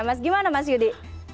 mas gimana mas yudi